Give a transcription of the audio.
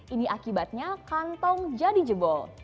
ini akibatnya kantong jadi jebol